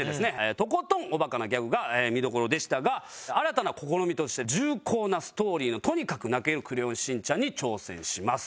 とことんおバカなギャグが見どころでしたが新たな試みとして重厚なストーリーのとにかく泣ける『クレヨンしんちゃん』に挑戦します。